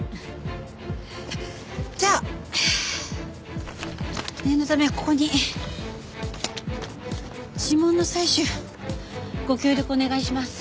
じゃあ念のためここに指紋の採取ご協力お願いします。